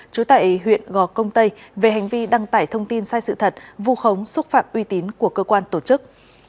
trú tại huyện gò công tây về hành vi đăng tải thông tin sai sự thật vu khống xúc phạm uy tín của cơ quan tổ chức